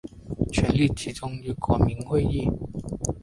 权力集中于国民议会。